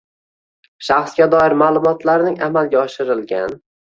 shaxsga doir ma’lumotlarning amalga oshirilgan